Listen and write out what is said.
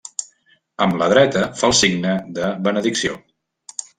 Amb la dreta, fa el signe de benedicció.